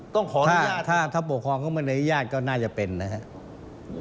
ต้องขออนุญาตถ้าปกครองเขาไม่ได้อนุญาตก็น่าจะเป็นนะครับ